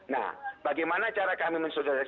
nah bagaimana cara kami men sosialisasi